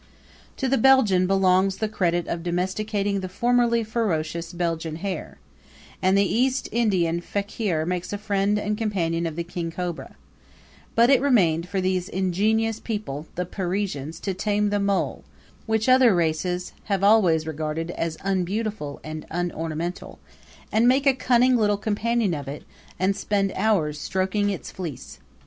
To the Belgian belongs the credit of domesticating the formerly ferocious Belgian hare, and the East Indian fakir makes a friend and companion of the king cobra; but it remained for those ingenious people, the Parisians, to tame the mole, which other races have always regarded as unbeautiful and unornamental, and make a cunning little companion of it and spend hours stroking its fleece.